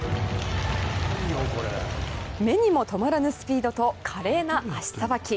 目にも留まらぬスピードと華麗な足さばき。